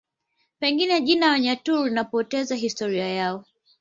Pengine jina Wanyaturu linapoteza historia yao